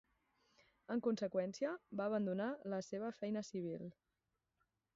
En conseqüència, va abandonar la seva feina civil.